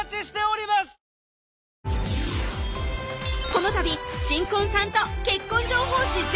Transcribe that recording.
このたび新婚さんと結婚情報誌